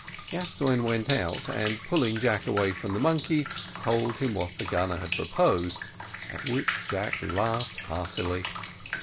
Gascoigne went out, and pulling Jack away from the monkey, told him what the gunner had proposed, at which Jack laughed heartily.